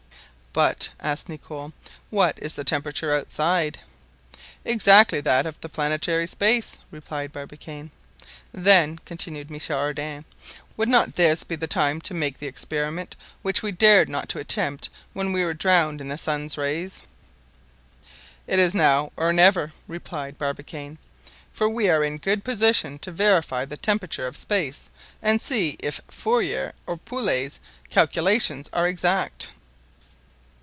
"But," asked Nicholl, "what is the temperature outside?" "Exactly that of the planetary space," replied Barbicane. "Then," continued Michel Ardan, "would not this be the time to make the experiment which we dared not attempt when we were drowned in the sun's rays? "It is now or never," replied Barbicane, "for we are in a good position to verify the temperature of space, and see if Fourier or Pouillet's calculations are exact."